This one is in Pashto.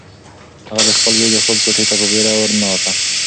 هغه د خپل زوی د خوب کوټې ته په وېره ورننوته.